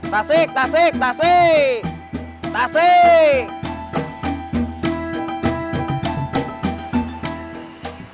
tasik tasik tasik tasik